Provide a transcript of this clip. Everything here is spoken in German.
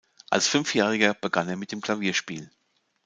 Als Fünfjähriger begann er mit dem Klavierspiel.